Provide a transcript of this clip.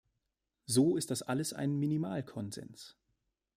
So ist das alles ein Minimalkonsens.